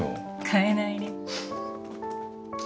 変えないね。